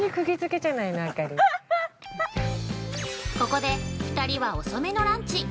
◆ここで、２人は遅めのランチ！